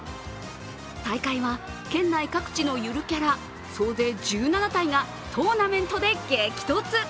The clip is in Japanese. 大会は、県内各地のゆるキャラ総勢１７体がトーナメントで激突。